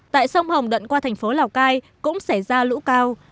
tại sông hồng đoạn qua thành phố lào cai cũng xảy ra lũ cao